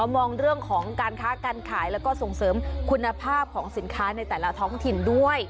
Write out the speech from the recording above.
มองเรื่องของการค้าการขายแล้วก็ส่งเสริมคุณภาพของสินค้าในแต่ละท้องถิ่นด้วย